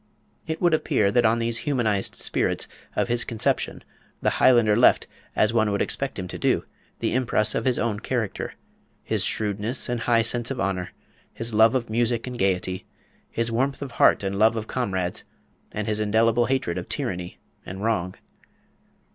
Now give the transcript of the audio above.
It would appear that on these humanised spirits of his conception the Highlander left, as one would expect him to do, the impress of his own character his shrewdness and high sense of honour, his love of music and gaiety, his warmth of heart and love of comrades, and his indelible hatred of tyranny and wrong.